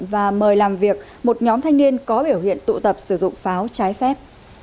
và mời làm việc một nhóm thanh niên có biểu hiện tụ tập sử dụng pháo trái phép